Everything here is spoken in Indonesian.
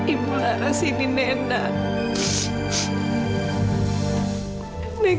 ibu laras ini nenek